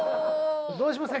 どうしますか？